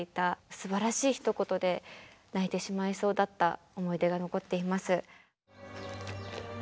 すばらしいひと言で泣いてしまいそうだった思い出が残っています。